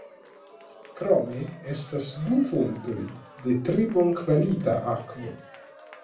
Krome estas du fontoj de tre bonkvalita akvo.